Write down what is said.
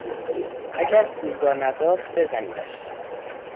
اگر پول را نداد بزنیدش!